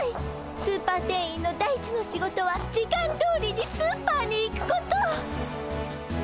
スーパー店員の第一の仕事は時間どおりにスーパーに行くこと。